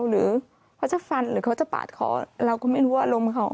หรือเขาจะฟันหรือเขาจะปาดคอเราก็ไม่รู้ว่าอารมณ์เขา